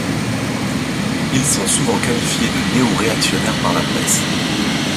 Ils sont souvent qualifiés de néo-réactionnaires par la presse.